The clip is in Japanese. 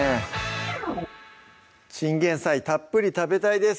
チンゲン菜たっぷり食べたいです